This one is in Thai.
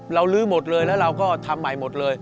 ลื้อหมดเลยแล้วเราก็ทำใหม่หมดเลย